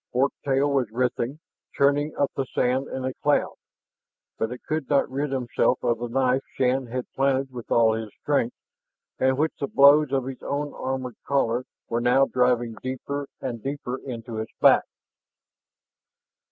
Fork tail was writhing, churning up the sand in a cloud. But it could not rid itself of the knife Shann had planted with all his strength, and which the blows of its own armored collar were now driving deeper and deeper into its back.